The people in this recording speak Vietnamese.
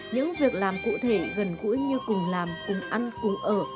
những việc làm cụ thể gần gũi như cùng làm cùng ăn cùng ở